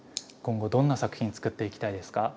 今後、どんな作品作っていきたいですか？